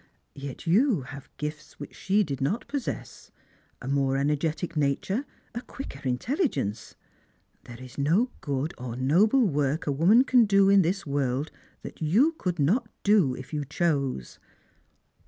Yet you have gifts which she did not possess — a more energetic "nature, a quicker intelligence. There is no good or noble work a woman can do in this woi ld that you could not do, if you chose."